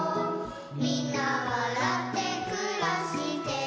「みんなわらってくらしてる」